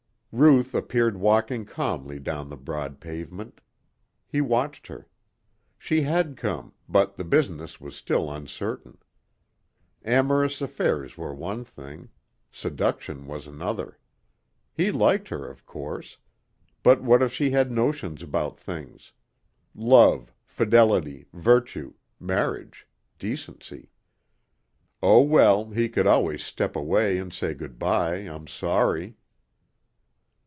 Ruth appeared walking calmly down the broad pavement. He watched her. She had come, but the business was still uncertain. Amorous affairs were one thing. Seduction was another. He liked her, of course. But what if she had notions about things? Love, fidelity, virtue, marriage, decency. Oh well, he could always step away and say good bye, I'm sorry.